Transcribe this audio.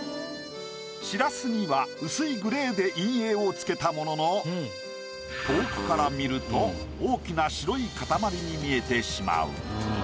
しらすには薄いグレーで陰影をつけたものの遠くから見ると大きな白い塊に見えてしまう。